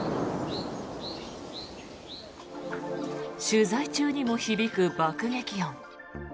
取材中にも響く爆撃音。